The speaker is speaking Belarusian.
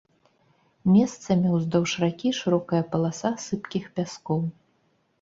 Месцамі ўздоўж ракі шырокая паласа сыпкіх пяскоў.